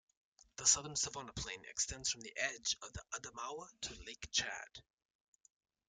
The southern savanna plain extends from the edge of the Adamaoua to Lake Chad.